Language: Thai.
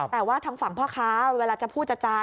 แต่ว่าทางฝั่งพ่อค้าเวลาจะพูดจา